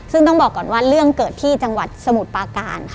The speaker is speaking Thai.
ซึ่งต้องบอกก่อนว่าเรื่องเกิดที่จังหวัดสมุทรปาการค่ะ